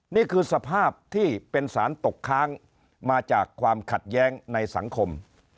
นี่คือสภาพที่เป็นสารตกค้างมาจากความขัดแย้งในสังคม